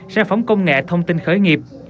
sản phẩm công nghệ thông tin khởi nghiệp